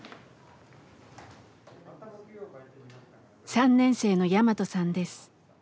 ３年生のヤマトさんです。